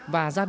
và gia đình